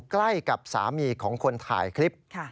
ใกล้กับสามีของคนถ่ายคลิป